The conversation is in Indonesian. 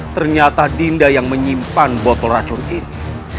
ternyata dinda yang menyimpan botol racun ini